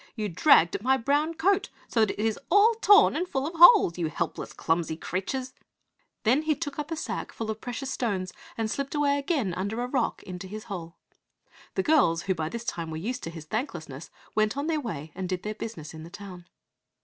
You dragged at my brown coat so that it is all torn and full of holes, you helpless clumsy creatures!" Then he took up a sack full of precious stones, and slipped away again under the rock into his hole. The girls, who by this time were used to his thanklessness, went on their way and did their business in the town.